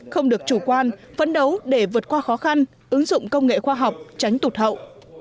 không được chủ quan phấn đấu để vượt qua khó khăn ứng dụng công nghệ khoa học tránh tụt hậu